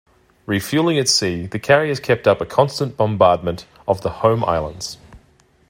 Refueling at sea, the carriers kept up a constant bombardment of the home islands.